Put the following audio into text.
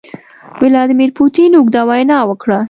ولادیمیر پوتین اوږده وینا وکړه.